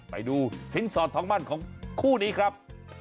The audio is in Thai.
ไปดูสินสอดทองมั่นของคู่นี้ครับ